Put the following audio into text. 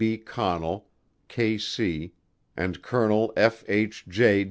B. Connell, K. C., and Col. F. H. J.